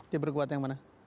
diperkuat yang mana